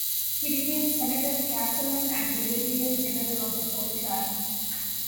He became senator-castellan and Brigadier General of the Polish Army.